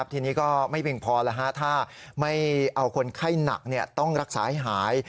ทีนี้ก็ไม่เพียงพอถ้าไม่เอาคนไข้หนักต้องรักษาให้หาย